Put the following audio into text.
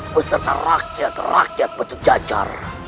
beserta rakyat rakyat butuh jajar